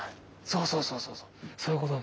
そうそうそういうこと。